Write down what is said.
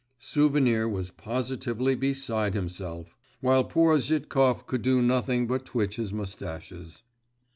Souvenir was positively beside himself; while poor Zhitkov could do nothing but twitch his moustaches.